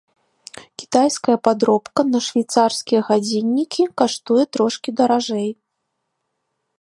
Кітайская падробка на швейцарскія гадзіннікі каштуе трошкі даражэй.